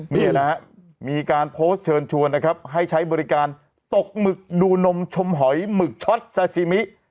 นี่นะฮะมีการโพสต์เชิญชวนนะครับให้ใช้บริการตกหมึกดูนมชมหอยหมึกช็อตซาซิมิ